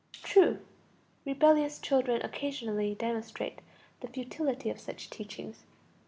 True, rebellious children occasionally demonstrate the futility of such teachings.